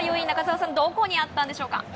中澤さん、どこにあったんでしょうか。